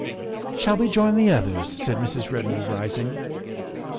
" Shall we join the others?" said Mrs. Redmond, rising.